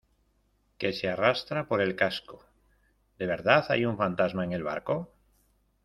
que se arrastra por el casco. ¿ de verdad hay un fantasma en el barco?